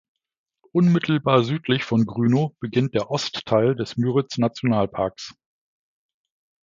Unmittelbar südlich von Grünow beginnt der Ostteil des Müritz-Nationalparkes.